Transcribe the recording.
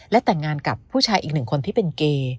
และแต่งงานกับผู้ชายอีกหนึ่งคนที่เป็นเกย์